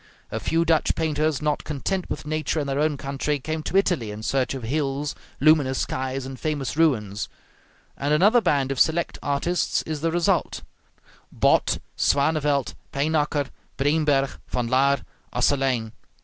A few Dutch painters, not content with nature in their own country, came to Italy in search of hills, luminous skies, and famous ruins; and another band of select artists is the result, Both, Swanevelt, Pynacker, Breenberg, Van Laer, Asselyn.